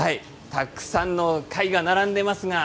たくさんの貝が並んでいます。